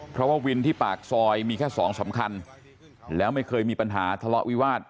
เพราะว่าวินที่ปากซอยมีแค่สองสำคัญแล้วไม่เคยมีปัญหาทะเลาะวิวาส